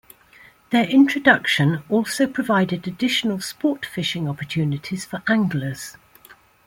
Their introduction also provided additional sport fishing opportunities for anglers.